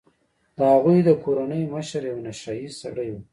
د هغوی د کورنۍ مشر یو نشه يي سړی و.